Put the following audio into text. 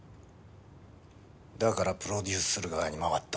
だからプロデュースする側に回った。